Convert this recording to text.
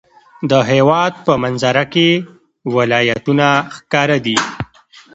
د هېواد په منظره کې ولایتونه ښکاره دي.